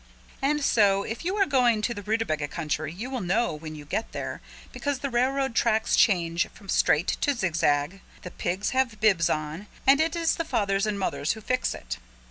And so if you are going to the Rootabaga country you will know when you get there because the railroad tracks change from straight to zigzag, the pigs have bibs on and it is the fathers and mothers who fix it.